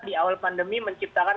di awal pandemi menciptakan